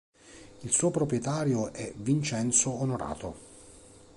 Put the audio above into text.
Il suo proprietario è Vincenzo Onorato.